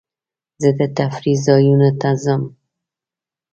زه د تفریح ځایونو ته ځم.